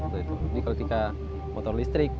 jadi kalau kita motor listrik